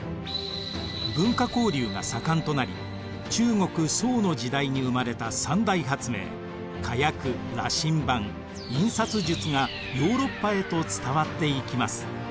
文化交流が盛んとなり中国・宋の時代に生まれた三大発明火薬羅針盤印刷術がヨーロッパへと伝わっていきます。